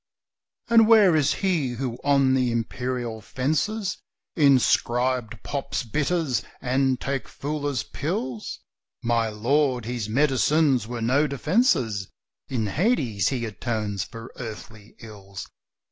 "And where is he who on the imperial fences Inscribed Pop's Bitters, and Take Fooler's Pills?" "My lord, his medicines were no defences, In Hades he atones for earthly ills."